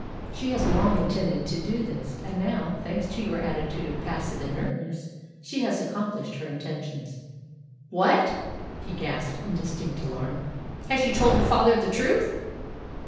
She has long intended to do this; and now, thanks to your attitude of passive inertness, she has accomplished her intentions." "What!" he gasped in distinct alarm, "has she told her father the truth?"